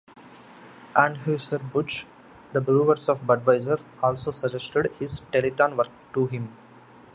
Anheuser-Busch, the brewers of Budweiser, also suggested his telethon work to him.